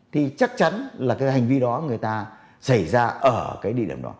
thì chắc chắn là cái hành vi đó người ta xảy ra ở cái địa điểm đó